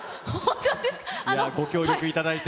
ご協力いただいて。